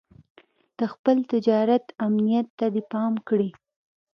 د خپل تجارت امنيت ته دې پام کړی.